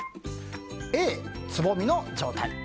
Ａ、つぼみの状態